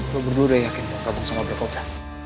lu berdua udah yakin gabung sama pilkobda